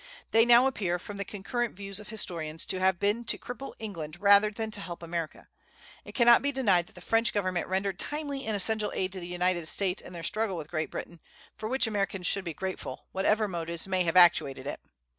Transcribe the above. They now appear, from the concurrent views of historians, to have been to cripple England rather than to help America. It cannot be denied that the French government rendered timely and essential aid to the United States in their struggle with Great Britain, for which Americans should be grateful, whatever motives may have actuated it.